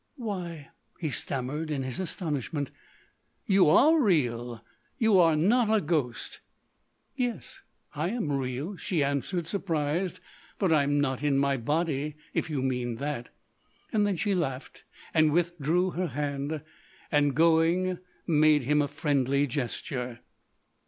"Why," he stammered in his astonishment, "you are real! You are not a ghost!" "Yes, I am real," she answered, surprised, "but I'm not in my body,—if you mean that." Then she laughed and withdrew her hand, and, going, made him a friendly gesture.